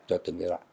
cho từng giai đoạn